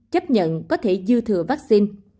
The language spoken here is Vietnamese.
chấp nhận có thể dư thừa vaccine